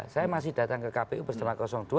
saya masih datang ke kpu bersama dua